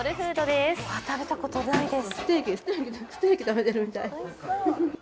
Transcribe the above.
うわ、食べたことないです。